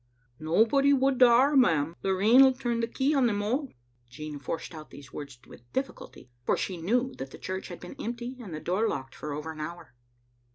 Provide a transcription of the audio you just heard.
" Nobody would daur, ma'am. The rain'U turn the key on them all." Jean forced out these words with difl5culty, for she knew that the church had been empty and the door locked for over an hour.